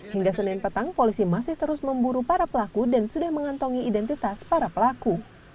hingga senin petang polisi masih terus memburu para pelaku dan sudah mengantongi identitas para pelaku